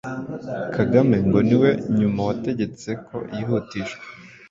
Kagame ngo ni we nyuma wategetse ko yihutishwa,